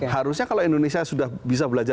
harusnya kalau indonesia sudah bisa belajar